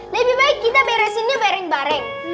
lebih baik kita beresinnya bareng bareng